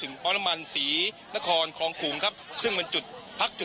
ปั๊มน้ำมันศรีนครคลองขุงครับซึ่งเป็นจุดพักจุด